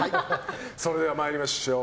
それでは参りましょう。